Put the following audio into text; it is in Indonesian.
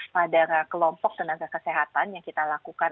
pada kelompok tenaga kesehatan yang kita lakukan